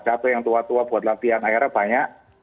ada kapal yang tua tua buat lapian airnya banyak